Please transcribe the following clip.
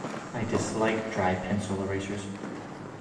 I dislike dry pencil erasers.